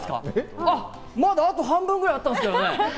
まだあと半分ぐらいあったんですけどね。